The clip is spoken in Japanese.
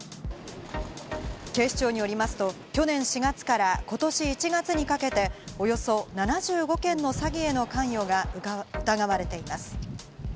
警視庁によりますと去年４月から今年１月にかけておよそ７５件の詐欺への関与が疑われています。